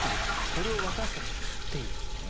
それを私たちは吸っている。